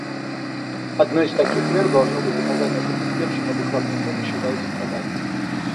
Одной из таких мер должно быть оказание потерпевшим адекватной помощи за их страдания.